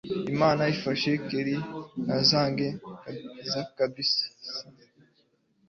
imana imfashe kellia ntazange kabisa